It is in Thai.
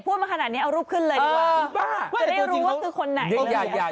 พูดมาขนาดนี้เอารูปขึ้นเลยดีกว่า